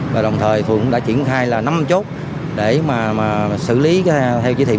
và đồng thời phường cũng đã triển khai là năm chốt để mà xử lý theo chí thị một mươi sáu